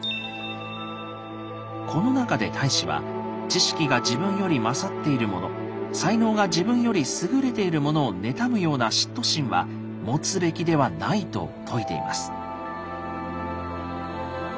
この中で太子は知識が自分より勝っている者才能が自分より優れている者をねたむような嫉妬心は持つべきではないと説いています。